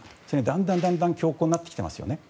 だんだん強硬になってきてますよね。